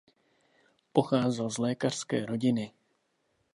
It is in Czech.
Pocházel z lékařské rodiny.